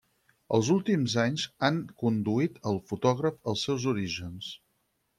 Els últims anys han conduït al fotògraf als seus orígens.